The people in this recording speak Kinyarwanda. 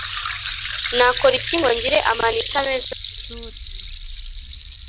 Nakora iki ngo ngire amanita meza mwishuli